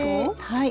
はい。